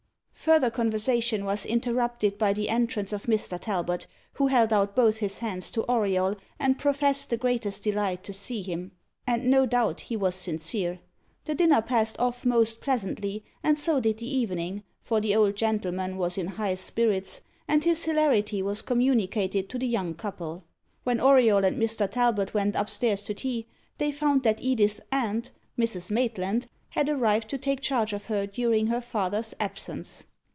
Further conversation was interrupted by the entrance of Mr. Talbot, who held out both his hands to Auriol, and professed the greatest delight to see him. And no doubt he was sincere. The dinner passed off most pleasantly, and so did the evening; for the old gentleman was in high spirits, and his hilarity was communicated to the young couple. When Auriol and Mr. Talbot went up stairs to tea, they found that Edith's aunt, Mrs. Maitland, had arrived to take charge of her during her father's absence.